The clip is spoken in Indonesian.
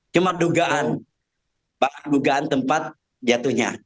cuma dugaan bahkan dugaan tempat jatuhnya